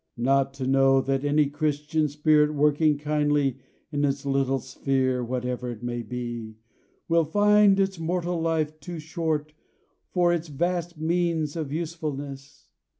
Not to know that any Christian spirit working kindly in its little sphere, whatever it may be, will find its mortal life too short for its vast means of usefulness.